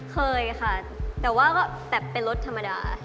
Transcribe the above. เคยค่ะแต่ว่าก็แบบเป็นรถธรรมดา